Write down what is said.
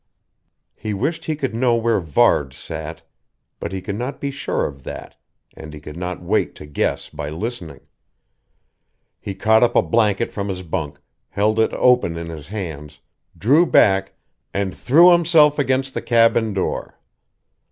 He wished he could know where Varde sat; but he could not be sure of that, and he could not wait to guess by listening. He caught up a blanket from his bunk, held it open in his hands, drew back and threw himself against the cabin door.